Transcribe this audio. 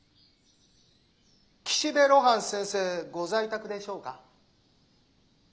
岸辺露伴先生ご在宅でしょうか。